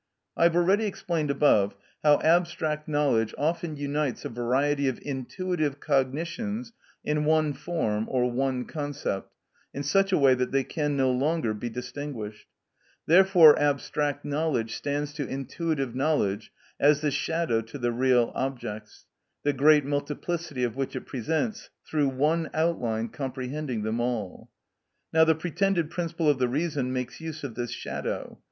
I have already explained above how abstract knowledge often unites a variety of intuitive cognitions in one form or one concept in such a way that they can no longer be distinguished; therefore abstract knowledge stands to intuitive knowledge as the shadow to the real objects, the great multiplicity of which it presents through one outline comprehending them all. Now the pretended principle of the reason makes use of this shadow.